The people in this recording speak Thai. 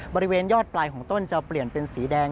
บริเวณยอดปลายของต้นจะเปลี่ยนเป็นสีแดง